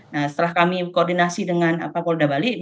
nah setelah kami koordinasi dengan polda bali